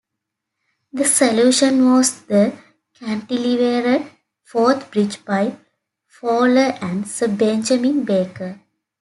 The solution was the cantilevered Forth Bridge by Fowler and Sir Benjamin Baker.